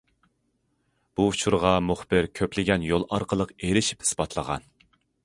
بۇ ئۇچۇرغا مۇخبىر كۆپلىگەن يول ئارقىلىق ئېرىشىپ ئىسپاتلىغان.